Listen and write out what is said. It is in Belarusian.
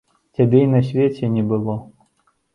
Цябе і на свеце не было.